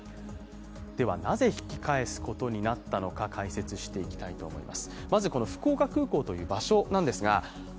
なぜ引き返すことになったのか解説していきたいと思います。